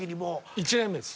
１年目です。